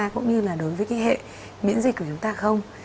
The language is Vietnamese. cũng như là đối với cái hệ miễn dịch của chúng ta không